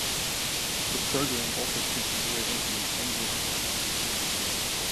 The program also featured Ray Anthony and his orchestra.